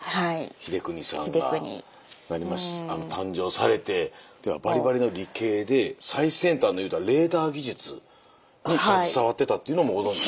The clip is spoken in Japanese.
英邦さんが誕生されてバリバリの理系で最先端のいうたらレーダー技術に携わってたっていうのもご存じ。